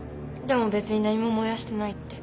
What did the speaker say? でも別に何も燃やしてないって。